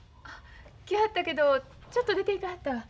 来はったけどちょっと出ていかはったわ。